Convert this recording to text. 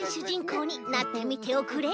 こうになってみておくれ。